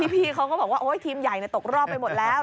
พี่เขาก็บอกว่าทีมใหญ่ตกรอบไปหมดแล้ว